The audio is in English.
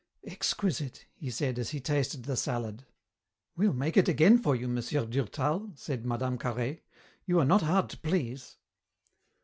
Exquisite," he said as he tasted the salad. "We'll make it again for you, Monsieur Durtal," said Mme. Carhaix, "you are not hard to please."